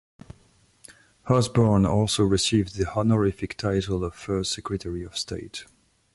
Osborne also received the honorific title of First Secretary of State.